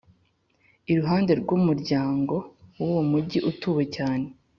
iruhande rw’umuryango w’uwo mugi utuwe cyane.